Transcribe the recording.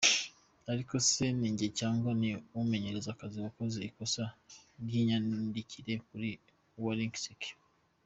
Ariko se ninjye cyangwa ni uwimenyereza akazi wakoze ikosa ry’imyandikire kuri Wolinski!”.